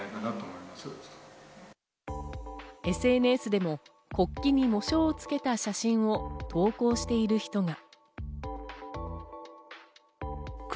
ＳＮＳでも国旗に喪章をつけた写真を投稿している人が。